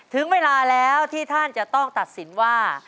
ถึงเวลาแล้วที่ท่านจะต้องตัดสินว่า